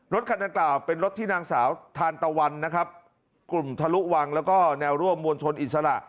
รถคันดังกล่าวเป็นรถที่นางสาวทานตะวันนะครับกลุ่มทะลุวังแล้วก็แนวร่วมมวลชนอิสระ